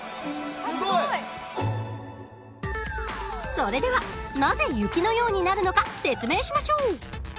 それではなぜ雪のようになるのか説明しましょう。